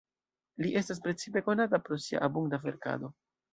Li estas precipe konata pro sia abunda verkado.